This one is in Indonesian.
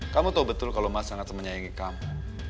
kamu tahu betul kalau mas sangat menyayangi kamu